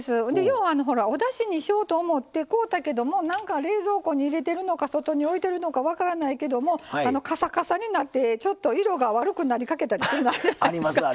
ようほらおだしにしようと思って買うたけどもなんか冷蔵庫に入れてるのか外に置いてるのか分からないけどもかさかさになってちょっと色が悪くなりかけたというのがあるじゃないですか。